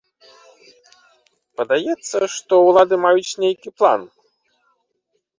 Падаецца, што ўлады маюць нейкі план.